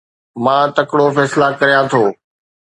مان تڪڙو فيصلا ڪريان ٿو